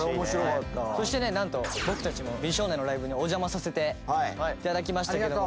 そしてねなんと僕たちも美少年のライブにお邪魔させて頂きましたけども。